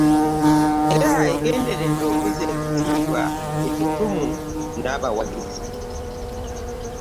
Era egenderedde okuzza ekitiibwa, ettutumu n'abawagizi.